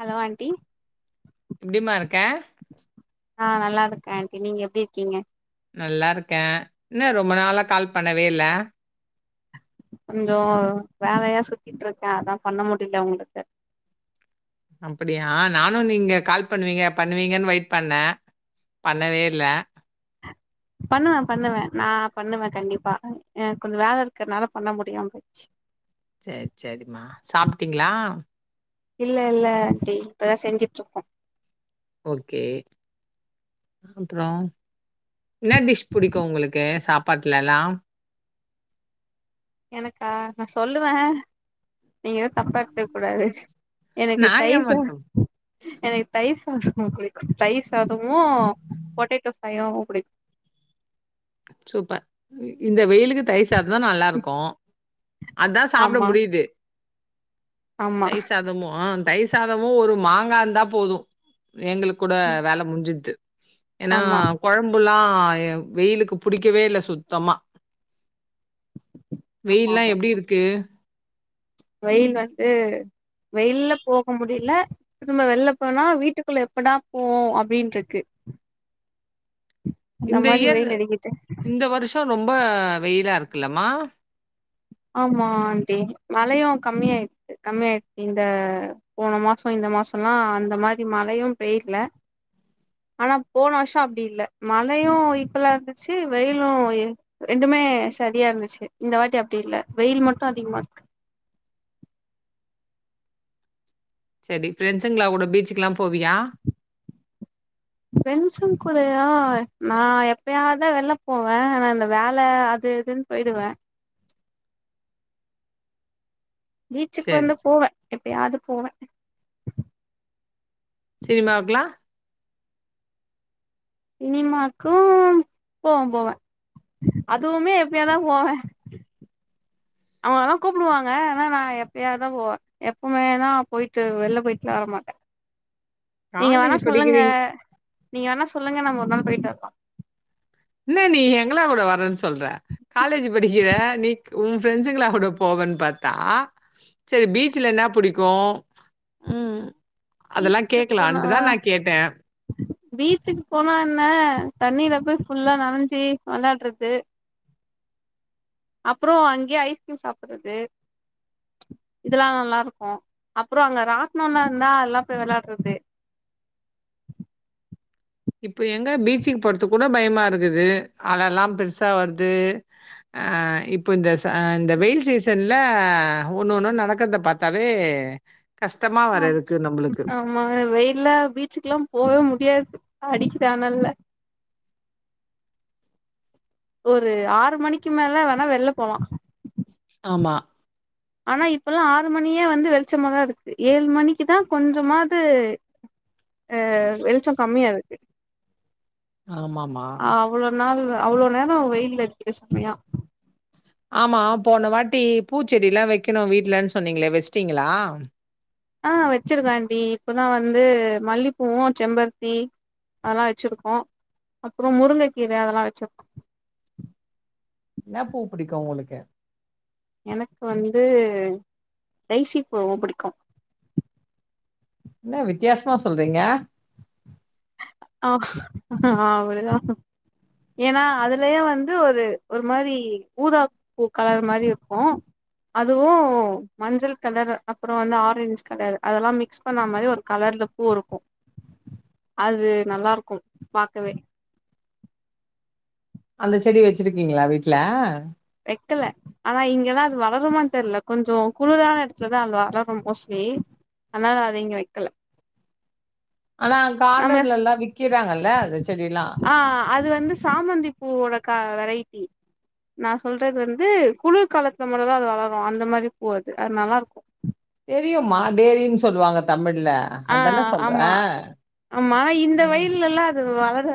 Hello aunty எப்டிமா இருக்க ஆ நல்லா இருக்கே ஆண்ட்டி நீங்க எப்டி இருக்கீங்க நல்லா இருக்கே என்ன ரொம்ப நாளா கால் பண்ணவே இல்ல கொஞ்சோ வேலையா சுத்திட்டு இருக்கே அதா பண்ண முடியல உங்களுக்கு அப்டியா நானு நீங்க கால் பண்ணுவீங்க பண்ணுவீங்கன்னு வெயிட் பண்ணே பண்ணவே இல்ல பண்ணுவே பண்ணுவே நா பண்ணுவே கண்டிப்பா எனக்கு கொஞ்சோ வேலை இருக்றதுனால பண்ண முடியாம போச்சு சேரி சேரிம்மா சாப்ட்டீங்ளா இல்ல இல்ல ஆண்ட்டி இப்பதா செஞ்சுட்டு இருக்கோ ஓகே அப்பறோ என்ன டிஷ் பிடிக்கு உங்களுக்கு சாப்பாட்லல்லா எனக்கா நா சொல்லுவே நீங்க எது தப்பா எடுத்துக்க கூடாது எனக்கு நான் தயிர் சாதோ ஏமாத்தும். எனக்கு தயிர் சாதோ பிடிக்கு தயிர் சாதமு பொட்டேட்டோ ஃப்ரையு பிடிக்கு சூப்பர் இந்த வெயிலுக்கு தயிர் சாதந்தா நல்லா இருக்கு அதா சாப்ட ஆமா முடியுது ஆமா தயிர் சாதமு தயிர் சாதமு ஒரு மாங்கா இருந்தா போது எங்களுக்கு கூட வேலை முடிஞ்சுது ஏன்னா ஆமா கொழம்புல்லா வெயிலுக்கு புடிக்கவே இல்ல சுத்தமா ஆமா வெயில்ல்லா ஆமா எப்டி இருக்கு வெயில் வந்து வெயில்ல போக முடில திரும்ப வெளில போனா வீட்டுக்குள்ள எப்படா போவோ அப்டின்னு இருக்கு அந்த மாதி வெயில் அடிக்கிது த்த ரொம்ப வெயிலா இருக்குல்லமா ஆமா ஆண்ட்டி மழையு கம்மியாயிடுச்சி கம்மியாயிடுச்சி இந்த போன மாசோ இந்த மாசோல்லா அந்த மாதிரி மழையு பெயிடல ஆனா போன வருஷோ அப்டி இல்ல மழையு ஈக்குவல்லா இருந்துச்சு வெயிலு ரெண்டுமே சரியா இருந்துச்சு இந்த வாட்டி அப்டி இல்ல வெயில் மட்டு அதிகமா இருக்கு செரி ஃப்ரெண்ட்ஸுங்களா கூட பீச்சுக்குல்லா போவியா ஃப்ரெண்ட்ஸ்ங்க கூடயா நா எப்பயாதா வெளில போவே ஆனா இந்த வேல அது இதுன்னு போய்டுவே பீச்சுக்கு சரி. வந்து போவே எப்பயாது போவே சினிமாவுக்குலா சினிமாக்கு போவே போவே அதுவுமே எப்பயாதுதா போவே அவங்களாதா கூப்டுவாங்க ஆனா நா எப்பயாதுதா போவே எப்பமேதா போயிட்டு வெளில போயிட்டுல்லா வர மாட்டே நீங்க வேணா காலேஜ் சொல்லுங்க படிக்கிறீங் நீங்க வேணா சொல்லுங்க நம்ம ஒரு நாள் போயிட்டு வரலா என்ன நீ எங்களா கூட வர்றேன்னு சொல்ற காலேஜ் படிக்கிற நீ உ ஃப்ரெண்ட்ஸுங்களா கூட போவன்னு பாத்தா செரி பீச்ல என்ன புடிக்கு ம் அதெல்லா பீச்சுக்கு போனா கேக்கலான்ட்டுதா நா கேட்டே பீச்சுக்கு போனா என்ன தண்ணில போய் ஃபுல்லா நனைைஞ்சு வெனாட்றது அப்ற அங்கயே ஐஸ்க்ரீம் சாப்புட்றது இதெல்லா நல்லாருக்கு அப்ற அங்க ராட்னல்லா இருந்தா எல்லா போய் வெளாட்றது இப்ப எங்க பீச்சிக் போறது கூட பயமா இருக்குது அழல்லா பெருசா வருது ஆ இப்போ இந்த இந்த வெயில் சீசன்ல ஒன்னு ஒன்னு நடக்கறத பாத் தாவே கஷ்டமா வரதுக்கு நம்ளுக்கு ஆமாங்க வெயில்ல பீச்சுக்குலா போவே முடியாது அடிக்குது அனல்ல ஒரு ஆறு மணிக்கு மேல வேணா வெள்ல போலா ஆமா ஆனா இப்பல்லா ஆறு மணியே வந்து வெளிச்சமாதா இருக்கு ஏழு மணிக்குதா கொஞ்சமாது அ வெளிச்ச கம்மியா இருக்கு ஆமா மா அவ்ளோ நாள் அவ்ளோ நேரோ வெயில்ல அடிக்கிற செம்மையா ஆமா போன வாட்டி பூச்செடிலா வைக்கணு வீட்லன்னு சொன்னீங்ளே வெச்சிட்டீங்ளா ஆ வச்சிருக்கே ஆண்டி இப்பதா வந்து மல்லிப்பூவு செம்பருத்தி அதெல்லா வச்சிருக்கோ அப்ற முருங்கக்கீர அதெல்லா வச்சிருக்கோ என்னா பூ புடிக்கு உங்ளுக்கு எனக்கு வந்து டைசி பூ ரொம்ப புடிக்கு என்ன வித்தியாசமா சொல்றீங்க ஆ அவ்ளதா ஏன்னா அதுலயே வந்து ஒரு ஒரு மாரி ஊதா பூ பூ கலர் மாரி இருக்கு அதுவு மஞ்சள் கலர் அப்ற வந்து ஆரஞ்ச் கலர் அதெல்லா மிக்ஸ் பண்ண மாரி ஒரு கலர்ல பூ இருக்கு அது நல்லாருக்கு பாக்கவே அந்த செடி வச்சிருக்கீங்களா வீட்ல வெக்கல ஆனா இங்கெல்லா அது வளருமானு தெர்ல கொஞ்ச குளுறான எடத்துலதா அது வளரு மோஸ்ட்லி அதனால அத இங்க வைக்கல ஆனா கார்டன்ல எல்லா வி்க்கிறாங்கல்ல அந்த செடில்லா ஆ அது வந்து சாமந்தி பூவோட க வெரைட்டி நா சொல்றது வந்து குளிர்காலத்துல மட்டுதா அது வளரு அந்த மாரி பூ அது அது நல்லாருக்கு தெரியும்மா டேரின்னு சொல்லுவாங்க தமிழ்ல ஆ அதானே ஆமா சொல்றேன். ஆமா இந்த ம். வெயில்லல்லா அது வளராது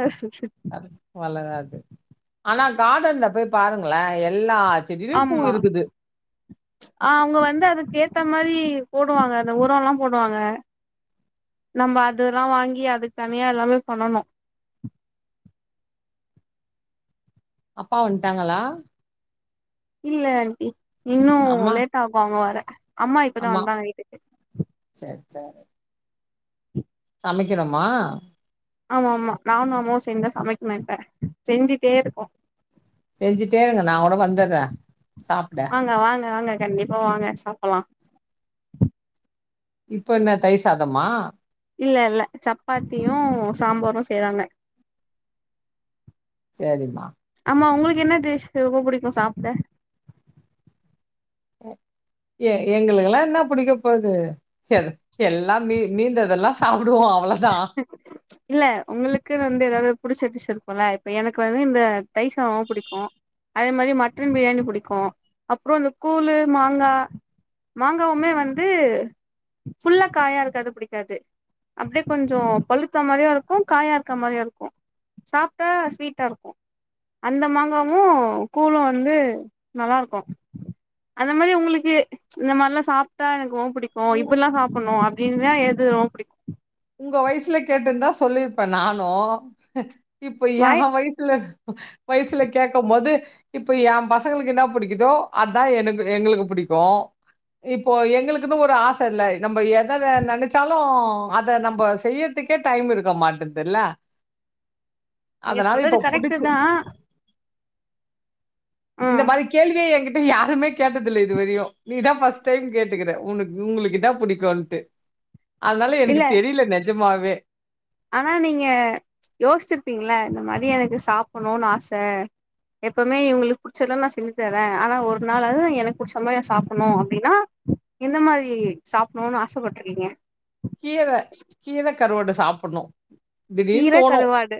வளராது ஆனா காடன்ல போய் பாருங்களே எல்லா செடியிலயும் பூ ஆமா இருக்குது. அ அவுங்க வந்து அதுக்கேத்த மாறி போடுவாங்க அந்த உர எல்லா போடுவாங்க நம்ம அதுல்லா வாங்கி அதுக்கு தனியா எல்லாமே பண்ணணு அப்பா வண்டாங்களா இல்ல ஆண்டி இன்னு அம்மா லேட்டா ஆகு அவுங்க வர அம்மா இப்பதா வந்தாங்க வீட்டுக்கு சரி சரி சமக்கணும்மா ஆமா ஆமா நானு அம்மாவு சேந்துதா சமைக்கணு இப்ப செஞ்சுட்டே இருக்கோ செஞ்சுட்டே இருங்க நா கூட வந்துர்றே சாப்ட வாங்க வாங்க வாங்க கண்டிப்பா வாங்க சாப்புட்லா இப்ப என்ன தயி சாதமா இல்ல இல்ல சப்பாத்தியு சாம்பாரு செய்றாங்க செரிம்மா ஆமா உங்களுக்கு என்ன டிஷ் ரொம்ப புடிக்கு சாப்ட எ எங்களுக்கல்லா என்னா புடிக்க போது செர் எல்லா மீ மீந்ததெல்லா சாப்புடுவோ அவ்ளோதா இல்ல உங்களுக்குனு வந்து ஏதாது புடிச்ச டிஷ் இருக்குல இப்ப எனக்கு வந்து இந்த தயி சாதொ புடிக்கு அதே மாரி மட்டன் பிரியாணி புடிக்கூ அப்றோ இந்த கூழு மாங்கா மாங்காவுமே வந்து ஃபுல்லா காயா இருக்கது புடிக்காது அப்டே கொஞ்சோ பழுத்த மாறியு இருக்கூ காயா இருக்கூ மாறியு இருக்கூ சாப்டா ஸ்வீட்டா இருக்கூ அந்த மாங்காவு கூழு வந்து நல்லாருக்கூ அந்த மாரி உங்ளுக்கு இந்த மார்லா சாப்டா எனக்கு ரொம்ப புடிக் ஓ உங்க இப்பில்லா சாப்ட்ணு அப்டினா எது ரொம்ப புடிக்கு உங்க வயசுல கேட்ருந்தா சொல்லிருப்பே நானூ இப்ப எ வாய் வயசுல வயசுல கேக்கம் போது இப்ப எ பசங்களுக்கு என்னா புடிக்குதோ அதா எனக்கு எங்ளுக்கு புடிக்கூ இப்போ எங்களுக்குனு ஒரு ஆச இல்ல நம்ப எத நெனச்சாலு அத அத நம்ப செய்யற்துக்கே டைம் இருக்க மாட்டின்துல்ல நீங்க அதனால சொல்றது இப்ப கரெக்ட் புடிச்சு தா ஆ இந்த மாரி கேள்வியே என்கிட்ட யாருமே கேட்டதில்ல இதுவரையு நீதா ஃபர்ஸ்ட் டைம் கேட்டுக்கிற உ உங்குளுக்கு என்னா புடிக்கு கோண்ட்டு அதனால இல்ல எனக்கு தெரியில நெஜமாவே ஆனா நீங்க யோஸ்ச்சிருப்பீங்கல்ல இந்த மாறி எனக்கு சாப்புணுனு ஆச எப்பவுமே இவுங்களுக்கு புடிச்சதல்லா நா செஞ்சு தர்ரே ஆனா ஒரு நாளாது எனக்கு புடிச்சமாறி நா சாப்புணு அப்டினா எந்த மாறி சாப்புணுனு ஆசப்பட்ருக்கீங்க கீர கீர கருவாடு சாப்புணு கீர கருவாடு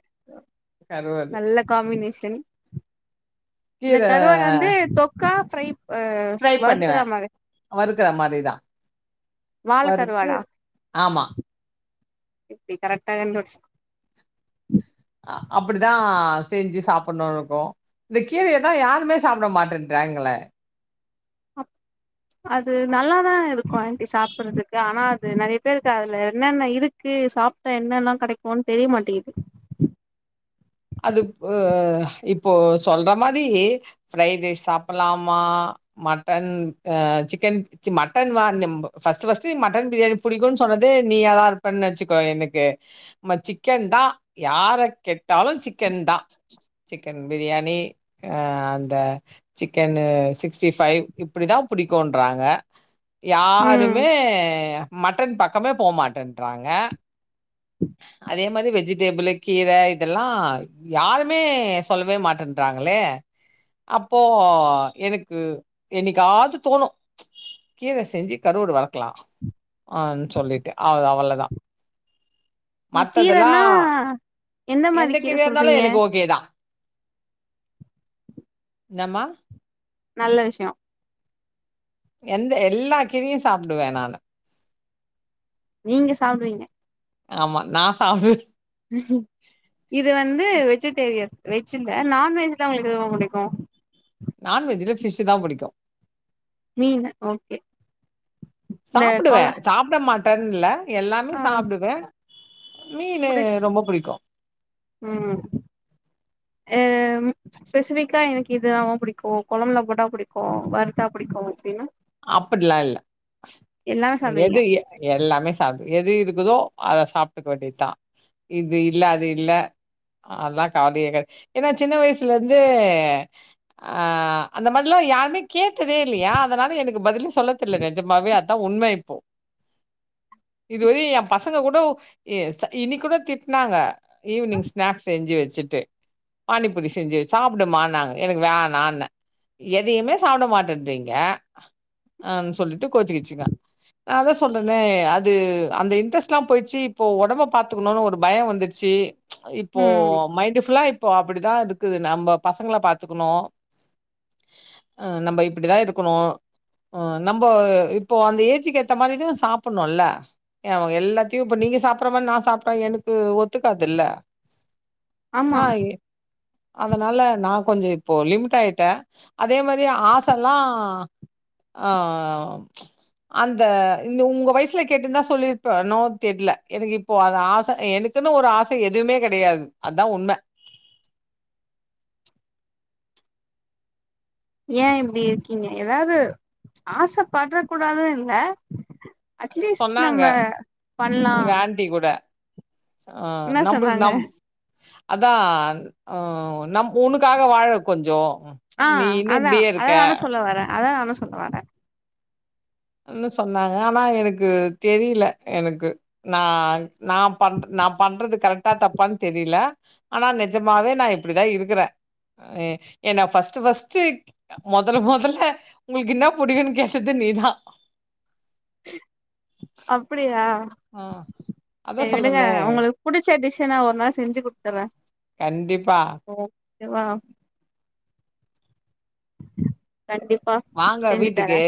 கருவாடு. நல்ல காம்பினேஷன் இந்த கீர கருவாடு வந்து தொக்கா ஃப்ரை அ ஃப்ரை பண்ணுவேன். வருக்குறமாறி வறுக்கிற மாரி தான். வறுத்து வாலக்கருவாடா ஆமா எப்டி கரெக்டா கண்டுபுடிச் அப்டிதா செஞ்சு சாப்புணுனு இருக்கூ இந்த கீரயதா யாருமே சாப்ட மாட்டன்றாங்களே அப் அது நல்ல தா இருக்கூ ஆண்டி சாப்புறதுக்கு ஆனா அது நறைய பேருக்கு அதுல என்னென்ன இருக்கு சாப் டா என்னெல்லா கெடைக்குன் தெரிய மாட்டேங்து அது இப்போ சொல்ற மாதிரி ஃப்ரைட் ரைஸ் சாப்பலாமா மட்டன் அ சிக்கன் மட்டன் வா ஃபஸ்டு ஃபஸ்டு மட்டன் பிரியாணி புடிக்கூன் சொன்னதே நீயாதா இருப்பன்னு வச்சுக்கோ எனக்கு ம சிக்கன்தா யார கேட்டாலு சிக்கன் தா சிக்கன் பிரியாணி அ அந்த சிக்கனு சிக்ஸ்டி ஃபைவ் இப்டிதா புடிக்கூன்றாங்க யாருமே ம் மட்டன் பக்கமே போ மாட்டன்றாங்க அதே மாரி வெஜிடேபுலு கீர இதெல்லா யாருமே சொல்வே மாட்டேன்றாங்களே அப்போ எனக்கு என்னைக்காது தோணு கீர செஞ்சு கருவடு வறக்லா ஆன் சொல்லிட்டு அவது அவ்வள தா ம் கீரன்னா எந்த மாரி கீர சொல் எதாந்தாலு எனக்கு ஓகேதா என்னா மா நல்ல விஷ்யோ எந்த எல்லா கீரையு சாப்டுவே நானு நீங்க சாப்டுவீங்க ஆமா நா சாப்டுவே இது வந்து வெஜிடேரியன் வெஜ்ல நான்வெஜ்ல உங்களுக்கு எது ரொம்ப புடிக்கு நான்வெஜ்ல ஃபிஷ் தா புடிக்கு மீன் ஓகே இந்த சாப்டுவே கொல சாப்ட மாட்டன் இல்ல எல்லாமே ஆ சாப்டுவே மீனு புடி ரொம்ப புடிக்கு ம் ஏ ம் ஸ்பெசிஃபிக்கா எனக்கு இது ரொம்ப புடிக்கு கொழம்புல போட்டா புடிக்கு வறுத்தா புடிக்கு அப்டின்னா அப்புட்லா இல்ல எல்லாமே சாப்டுவீங்க எது ஏ எல்லாமே சாப் எது இருக்குதோ அத சாப்ட்டுக்க வேண்டிதா இது இல்ல அது இல்ல ஆலா கவலயே கட ஏனா சின்ன வய்சுலேந்தே ஆ அந்த மாரிலா யாருமே கேட்டதே இல்லையா அதனால எனக் கு பதிலே சொல்ல தெர்ல நெஜமாவே அதான் உண்ம இப்போ இதுவரை என் பச சங்க கூட ஏ ச இன்னைக்கூட திட்னாங்க ஈவினிங் ஸ்நாக்ஸ் செஞ்சு வச்சுட்டு பானிப்பூரி செஞ்சு சாப்டுமான்னாங்க எனக்கு வேணான்ன எதையுமே சாப்ட மாட்டன்றீங்க ஆன் னு சொல்லிட்டு கோச்சுக்கிச்சுங்க நா அதா சொல்றனே அது அந்த இன்ட்ரெஸ்ட்லா போயிச்சு இப்போ ஒடம்ப பாத்துக்குணுனு ஒரு பயோ வந்துர்ச்சு இப்போ ம் மைண்டு ஃபுல்லா இப்போ அப்புடிதா இருக்குது நம்ம பசங்கள பாத்துக்குணு அ நம்ம இப்புடிதா இருக்குணு ஆ நம்ப இப்போ அந்த ஏஜிக்கு ஏத்த மாரி தா சாப்புண்ணு இல்ல ஏவோ எல்லாத்தையு இப்ப நீங்க சாப்புர்ற மா நா சாப்ட்டா எனக்கு ஒத்துக்காதுல்ல ஆமா மாயி அதனால நா கொஞ்சோ இப்போ லிமிட்டாயிட்டே அதே மாரி ஆசல்லா ஆ அந்த இந்த உங்க வய்சுல கேட்டுந்தா சொல்லிருப்பனோ தெர்ல எனக்கு இப்போ அது ஆச எனக் குனு ஒரு ஆச எதுமே கெடையாது அதா உண்ம ஏன் இப்டி இருக்கீங்க எதாது ஆசப்பட கூடாது இல்ல அட்லீஸ்ட் நம்ம பண்லா டி கூட ஆ என்ன நம்புள் சொல்றாங்க நம் அதா ஆ நம் உனுக்காக வாழு கொஞ்சோ ஆ அதான் அதா நானு சொல்ல வரே அதா நானு சொல்ல வரே ன்னு சொன்னாக ஆனா எனக்கு தெரில எனக்கு நா நான் பண் நான் பண்றது கரெக்டா தப்பானு தெரில ஆனா நெஜமாவே நா இப்படிதா இருக்கற எ என்ன ஃபர்ஸ்ட்டு ஃபர்ஸ்ட் மொதல் மொதல்ல உங்களுக்கு என்னா புடிக்குனு கேட்டது நீதா அப்டியா ஆ அதா சேரி விடுங்க சொல்றனே உங்களு புடிச்ச டிஷ நா ஒரு நாள் செஞ்சு குடுத்தர்ற கண்டிப்பா வா கண்டிப்பா வாங்க செஞ்சு தர வீட்டுக்கு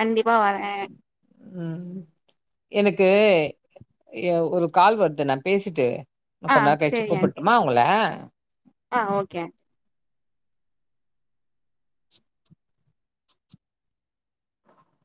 கண்டிப்பா வர ம் எனக்கு எ ஒரு கால் வருது நா பேசிட்டு இன்னு ஆ கொஞ்ச நேரோ கழிச்சி சரி ஆண்டி கூப்பட்டுமா உங்கள ஆ ஓகே